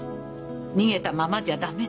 逃げたままじゃ駄目。